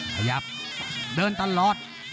ขยับเดินตลอด